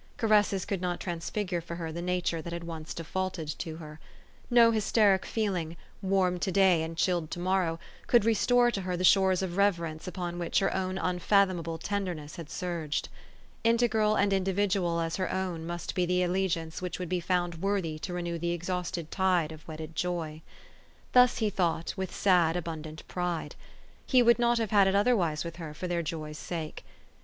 Caresses could not transfigure for her the nature that had once defaulted to her. No hys teric feeling, warm to day and chilled to morrow, could restore to her the shores of reverence upon which her own unfathomable tenderness had surged. Integral and individual as her own must be the alle giance which would be found worthy to renew the exhausted tide of wedded joy. Thus he thought, with sad, abundant pride. He would not have had it otherwise with her for their joy's sake.